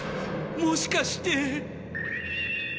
もしかして。